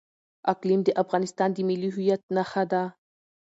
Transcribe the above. اقلیم د افغانستان د ملي هویت نښه ده.